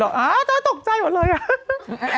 ทำไมอะคะตกใจหมดเลยอะ